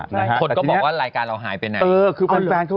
คนก็บอกว่ารายการเราหายไปไหนเออคือแฟนแฟนเขา